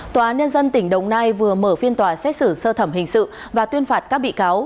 tòa án nhân dân tỉnh đồng nai vừa mở phiên tòa xét xử sơ thẩm hình sự và tuyên phạt các bị cáo